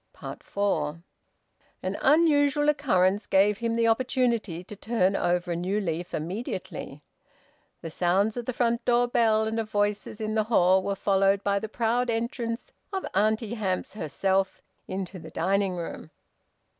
FOUR. An unusual occurrence gave him the opportunity to turn over a new leaf immediately. The sounds of the front door bell and of voices in the hall were followed by the proud entrance of Auntie Hamps herself into the dining room.